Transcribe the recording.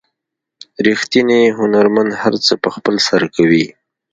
ریښتینی هنرمند هر څه په خپل سر کوي.